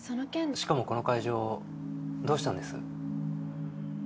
しかもこの会場どうしたんです？